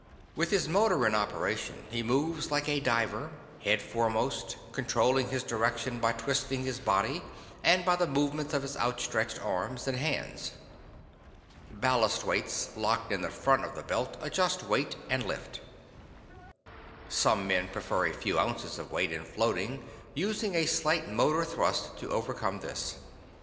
With his motor in operation, he moves like a diver, headforemost, controlling his direction by twisting his body and by movements of his outstretched arms and hands. Ballast weights locked in the front of the belt adjust weight and lift. Some men prefer a few ounces of weight in floating, using a slight motor thrust to overcome this.